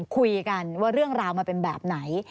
คุยกันว่าเรื่องราวมันเป็นแบบไหน